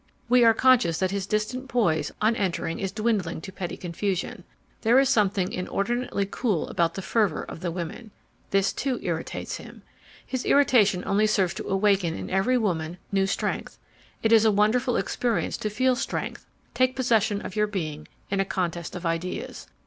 We are conscious that his distant poise on entering is dwindling to petty confusion. There is something inordinately cool about the fervor of the women. This too irritates him. His irritation only serves to awaken in every woman new strength. It is a wonderful experience to feel strength take possession of your being in a contest of ideas.